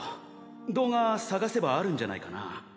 動画探せばあるんじゃないかな。